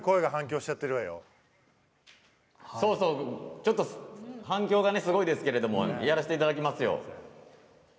ちょっと反響がすごいですけれどもやらしていただきますよ。